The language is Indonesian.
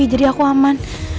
jadi aku aman